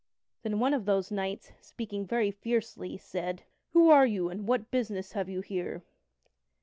Then one of those knights, speaking very fiercely, said: "Who are you, and what business have you here?"